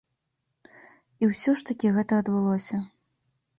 І ўсё ж такі гэта адбылося.